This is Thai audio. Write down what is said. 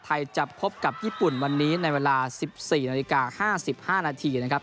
ไทยจะพบกับญี่ปุ่นวันนี้ในเวลา๑๔นาฬิกา๕๕นาทีนะครับ